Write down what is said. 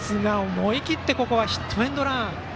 思い切ってここはヒットエンドラン。